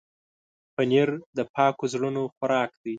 پنېر د پاک زړونو خوراک دی.